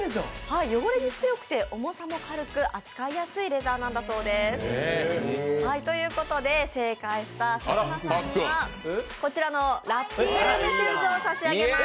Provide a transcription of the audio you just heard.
汚れに強くて重さも軽く扱いやすいレザーだそうです。ということで正解した佐久間さんにはこちらのラッピールームシューズを差し上げます。